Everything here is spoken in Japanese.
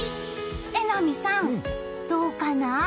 榎並さん、どうかな？